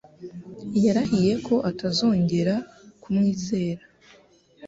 Yarahiye ko atazongera kumwizera.